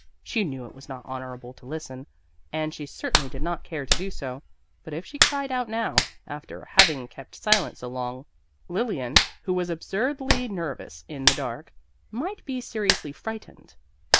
She knew it was not honorable to listen, and she certainly did not care to do so; but if she cried out now, after having kept silent so long, Lilian, who was absurdly nervous in the dark, might be seriously frightened.